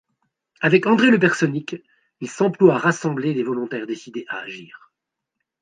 Avec André Le Personnic, il s’emploie à rassembler les volontaires décidés à agir.